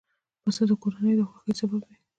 پسه د کورنیو د خوښیو سبب وي.